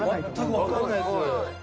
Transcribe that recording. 全くわかんないです。